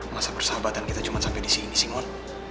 masa persahabatan kita cuma sampai disini sih mon